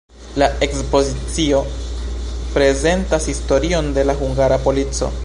La ekspozicio prezentas historion de la hungara polico.